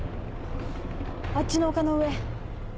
あっちの丘の上。